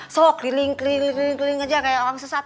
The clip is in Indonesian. so keliling keliling keliling aja kayak orang sesat